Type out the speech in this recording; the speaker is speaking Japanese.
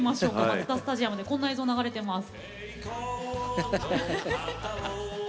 マツダスタジアムでこんな映像が流れています。